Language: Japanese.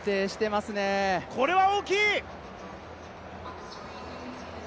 これは大きい！